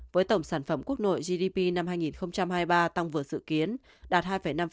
với tổng sản phẩm quốc nội gdp năm hai nghìn hai mươi ba tăng vừa dự kiến đạt hai năm